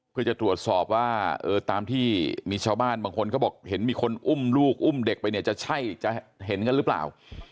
เพื่อจะตรวจสอบว่าตามที่มีชาวบ้านบางคนเขาบอกเห็นมีคนอุ้มลูกอุ้มเด็กไปเนี่ยจะใช่จะเห็นกันหรือเปล่า